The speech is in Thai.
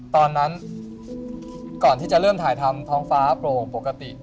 ตอนนั้นก่อนที่จะเริ่มถ่ายทำท้องฟ้าโปร่งปกติ